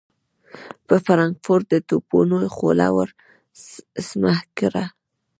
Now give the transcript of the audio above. پر فرانکفورټ د توپونو خوله ور سمهکړه.